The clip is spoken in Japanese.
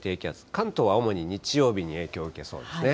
関東は主に日曜日に影響を受けそうですね。